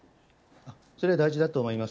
それは大事だと思います。